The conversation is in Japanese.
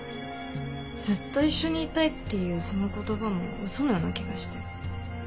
ずっと一緒にいたいっていうその言葉も嘘のような気がして。